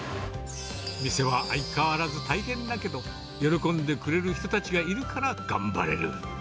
店は相変わらず大変だけど、喜んでくれる人たちがいるから頑張れる。